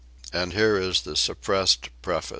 And here is the Suppressed Preface.